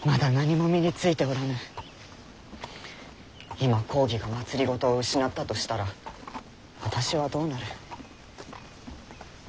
今公儀が政を失ったとしたら私はどうなる？